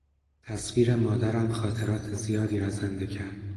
تصویر مادرم خاطرات زیادی را زنده کرد.